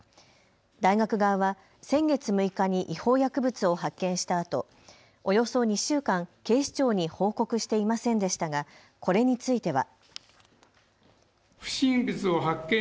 大学側は先月６日に違法薬物を発見したあとおよそ２週間、警視庁に報告していませんでしたがこれについては。